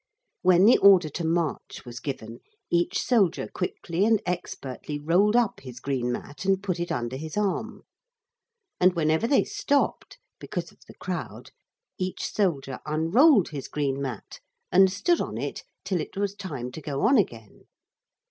When the order to march was given, each soldier quickly and expertly rolled up his green mat and put it under his arm. And whenever they stopped, because of the crowd, each soldier unrolled his green mat, and stood on it till it was time to go on again.